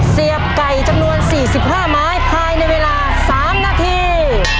เสียบไก่จำนวนสี่สิบห้าไม้ภายในเวลาสามนาที